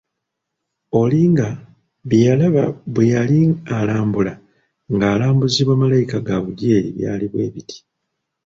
Olinga bye yalaba bwe yali alambula, nga alambuzibwa Malayika Gaabulyeri byali bwe biti